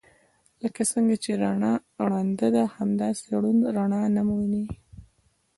لکه څنګه چې رڼا ړنده ده همداسې ړوند رڼا نه ويني.